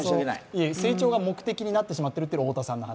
成長が目的になってしまっているのが太田さんの話。